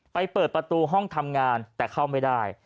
เปิดประตูห้องทำงานแต่เข้าไม่ได้